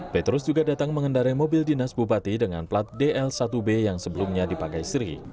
petrus juga datang mengendarai mobil dinas bupati dengan plat dl satu b yang sebelumnya dipakai sri